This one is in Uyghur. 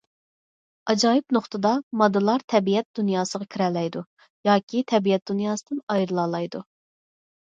ئاجايىپ نۇقتىدا، ماددىلار تەبىئەت دۇنياسىغا كىرەلەيدۇ ياكى تەبىئەت دۇنياسىدىن ئايرىلالايدۇ.